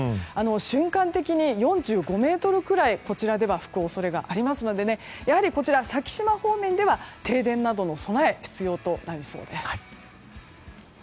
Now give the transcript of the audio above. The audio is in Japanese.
瞬間的に４５メートルくらいこちらでは吹く恐れがありますのでやはり先島方面では停電などへの備えが必要となりそうです。